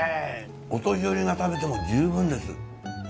お年寄りが食べても充分です。